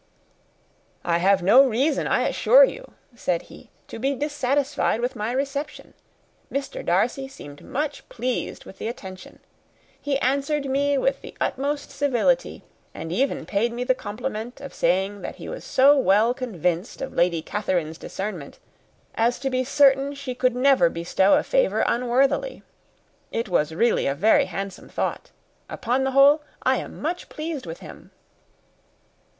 "I have no reason, I assure you," said he, "to be dissatisfied with my reception. Mr. Darcy seemed much pleased with the attention. He answered me with the utmost civility, and even paid me the compliment of saying, that he was so well convinced of Lady Catherine's discernment as to be certain she could never bestow a favour unworthily. It was really a very handsome thought. Upon the whole, I am much pleased with him."